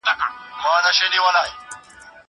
زه کولای سم پاکوالي وساتم!!